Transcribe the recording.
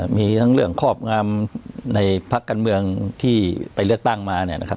มีทั้งเรื่องครอบงามในพักการเมืองที่ไปเลือกตั้งมาเนี่ยนะครับ